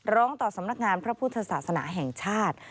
ร้องต่อสำนักงานพระพุทธศาสนาแห่งชาติ